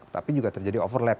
tapi juga terjadi overlap